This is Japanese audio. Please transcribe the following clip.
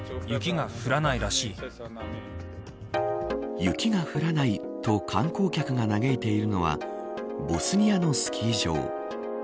雪が降らないと観光客が嘆いているのはボスニアのスキー場。